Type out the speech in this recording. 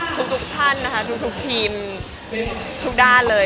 ทุกท่านนะคะทุกทีมทุกด้านเลย